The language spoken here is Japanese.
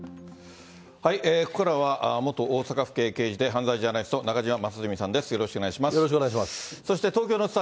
ここからは元大阪府警刑事で、犯罪ジャーナリスト、中島正純さんです。